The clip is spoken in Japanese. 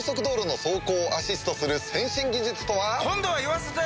今度は言わせて！